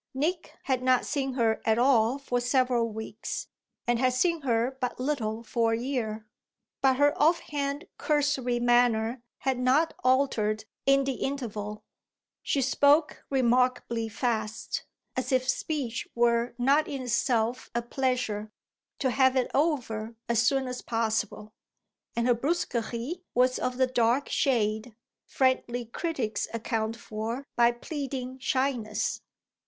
Nick had not seen her at all for several weeks and had seen her but little for a year, but her off hand cursory manner had not altered in the interval. She spoke remarkably fast, as if speech were not in itself a pleasure to have it over as soon as possible; and her brusquerie was of the dark shade friendly critics account for by pleading shyness.